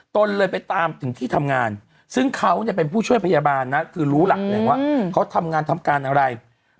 ตนเลยไปตามถึงที่ทำงานซึ่งเขาเนี่ยเป็นผู้ช่วยพยาบาลนะคือรู้หลักแหล่งว่าเขาทำงานทำการอะไร